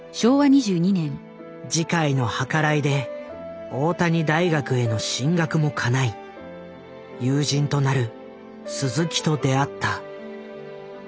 慈海の計らいで大谷大学への進学もかない友人となる鈴木と出会った。